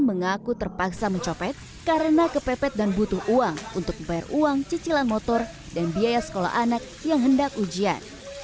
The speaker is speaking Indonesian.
mengaku terpaksa mencopet karena kepepet dan butuh uang untuk membayar uang cicilan motor dan biaya sekolah anak yang hendak ujian